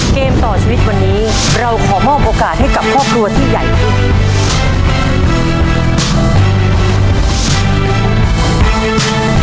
เกมต่อชีวิตวันนี้เราขอมอบโอกาสให้กับครอบครัวที่ใหญ่ขึ้น